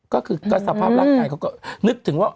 ก็คือก็สภาพร่างกายเขาก็นึกถึงว่า